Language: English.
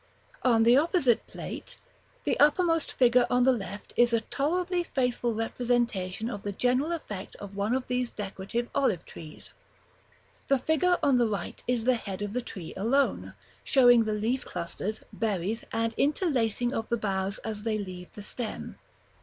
On the opposite plate, the uppermost figure on the left is a tolerably faithful representation of the general effect of one of these decorative olive trees; the figure on the right is the head of the tree alone, showing the leaf clusters, berries, and interlacing of the boughs as they leave the stem.